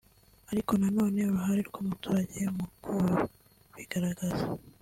ariko na none uruhare rw’umuturage mu kubigaragaza